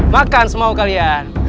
makan semua kalian